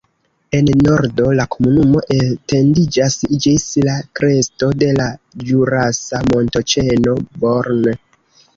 En nordo la komunumo etendiĝas ĝis la kresto de la ĵurasa montoĉeno Born.